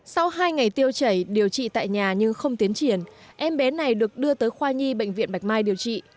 sau hai ngày tiêu chảy điều trị tại nhà nhưng không tiến triển em bé này được đưa tới khoa nhi bệnh viện bạch mai điều trị